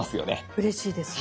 うれしいです。